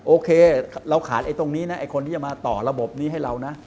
โอเคเราขาดไอ้ตรงนี้นะไอ้คนที่จะมาต่อระบบนี้ให้เรานะ